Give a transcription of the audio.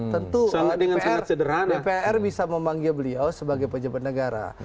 tentu dpr bisa memanggil beliau sebagai pejabat negara